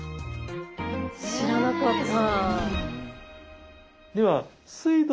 知らなかった。